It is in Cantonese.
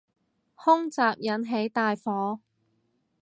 空襲引起大火